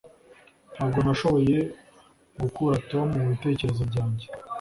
ntabwo nashoboye gukura tom mubitekerezo byanjye